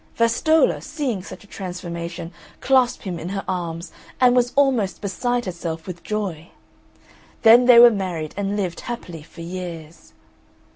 Vastolla, seeing such a transformation clasped him in her arms and was almost beside herself with joy. Then they were married and lived happily for years.